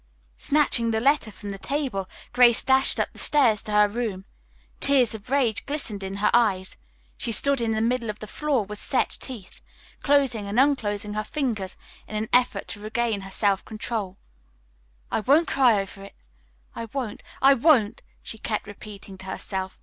Snatching the letter from the table Grace dashed up the stairs to her room. Tears of rage glistened in her eyes. She stood in the middle of the floor with set teeth, closing and unclosing her fingers in an effort to regain her self control. "I won't cry over it. I won't. I won't," she kept repeating to herself.